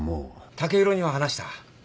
剛洋には話した。